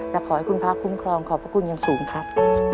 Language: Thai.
และขอให้คุณพระคุ้มครองขอบพระคุณอย่างสูงครับ